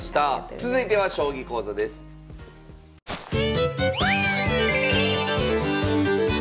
続いては将棋講座です。